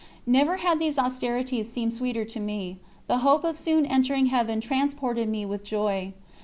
Never had these austerities seemed sweeter to me; the hope of soon entering Heaven transported me with joy.